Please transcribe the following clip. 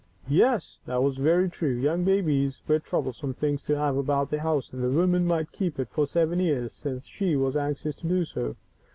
Yes, that was very true. Young babies were troublesome things to have about the house, and the woman might keep it for seven years since she was anxious to do so.